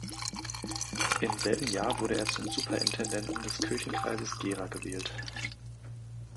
Im selben Jahr wurde er zum Superintendenten des Kirchenkreises Gera gewählt.